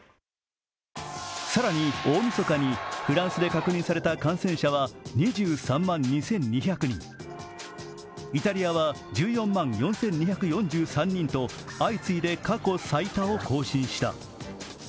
更に大みそかにフランスで確認された感染者は２３万２２００人、イタリアは１４万４２４３人と相次いで過去最多を更新した。